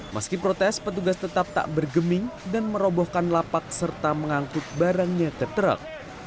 meski protes petugas tetap tak bergeming dan merobohkan lapak serta mengangkut barangnya ke truk